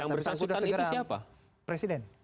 yang bersangkutan segera siapa presiden